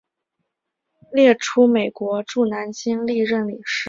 以下列出美国驻南京历任领事。